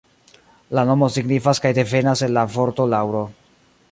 La nomo signifas kaj devenas el la vorto laŭro.